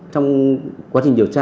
trong quá trình điều tra